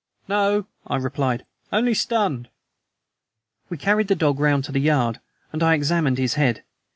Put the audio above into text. "No," I replied; "only stunned." We carried the dog round to the yard, and I examined his head.